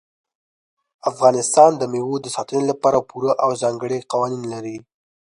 افغانستان د مېوو د ساتنې لپاره پوره او ځانګړي قوانین لري.